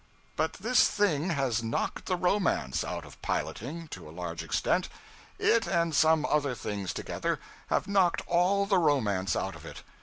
But this thing has knocked the romance out of piloting, to a large extent. It, and some other things together, have knocked all the romance out of it.